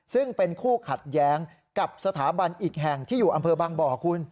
ซึ่งเป็นคู่ขัดแย้งกับสถาบันอีกแห่งที่อยู่อำเภอบางบ่อคุณ